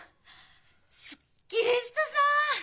すっきりしたさぁ！